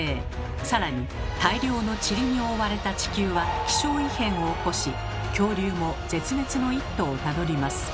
更に大量のちりに覆われた地球は気象異変を起こし恐竜も絶滅の一途をたどります。